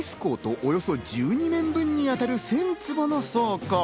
およそ１２面分に当たる１０００坪の倉庫。